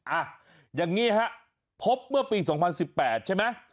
อ่ะอย่างนี้ฮะพบเมื่อปี๒๐๑๘ใช่ไหม